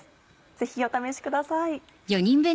ぜひお試しください。